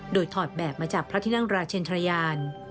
โดยถอดแบบมาจากพระที่นั่งราชเชนทรยาน